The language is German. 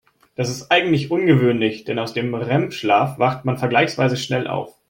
Das ist eigentlich ungewöhnlich, denn aus dem REM-Schlaf wacht man vergleichsweise schnell auf.